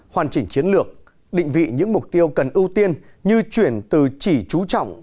hoàn chỉnh chiến lược định vị những mục tiêu cần ưu tiên như chuyển từ chỉ trú trọng